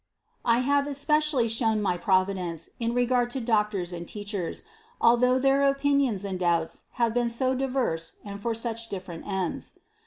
I have especially shown my Providence in regard to doctors and teachers, although their opinions and doubts have been so diverse and for such different ends.